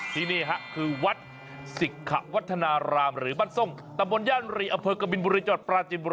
ทีนี่คือวัดสิกวัฒนารามหรือบรรทรงตะมมี่อนรีจับคนกระบินบุรีจังหวัดปราจีนบุรี